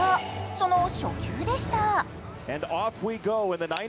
その初球でした。